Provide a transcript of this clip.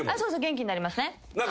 元気になりますね。